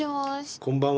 こんばんは。